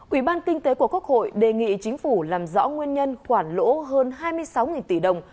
ủy ban kinh tế của quốc hội đề nghị chính phủ làm rõ nguyên nhân khoản lỗ hơn hai mươi sáu tỷ đồng